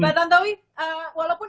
mbak tantowi walaupun